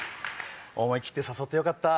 思い切って誘ってよかった！